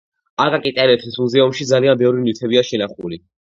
აკაკი წერეთლის მუზეუმსი ძალიან ბევრი ნივთებია შენახული